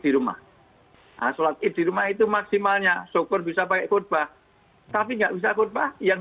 di rumah nah sholat ibn di rumah itu maksimalnya syukur bisa pakai khutbah tapi nggak usah khutbah